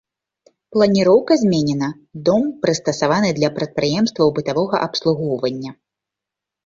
Планіроўка зменена, дом прыстасаваны для прадпрыемстваў бытавога абслугоўвання.